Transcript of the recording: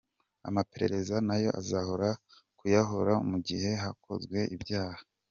Amaperereza nayo azoroha kuyakora mu gihe hakozwe ibyaha.”